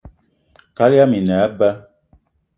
Kaal yama i ne eba